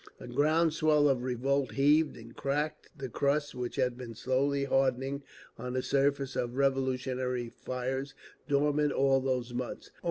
A ground swell of revolt heaved and cracked the crust which had been slowly hardening on the surface of revolutionary fires dormant all those months.